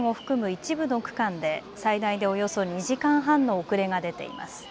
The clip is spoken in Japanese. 一部の区間で最大でおよそ２時間半の遅れが出ています。